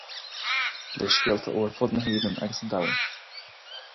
Le scéalta ó ar fud na hÉireann agus an domhain.